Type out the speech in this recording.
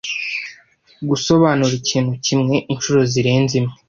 gusobanura ikintu kimwe inshuro zirenze imwe.